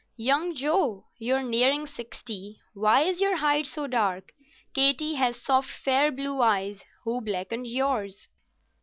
"Young Joe (you're nearing sixty), why is your hide so dark? Katie has soft fair blue eyes, who blackened yours?